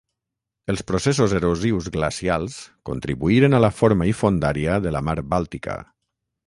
Els processos erosius glacials contribuïren a la forma i fondària de la Mar Bàltica.